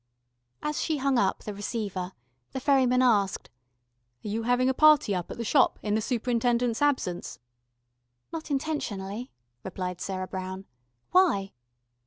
As she hung up the receiver, the ferryman asked: "Are you having a party up at the Shop, in the superintendent's absence?" "Not intentionally," replied Sarah Brown. "Why?"